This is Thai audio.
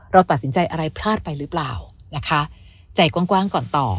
เราตัดสินใจอะไรพลาดไปหรือเปล่านะคะใจกว้างก่อนต่อ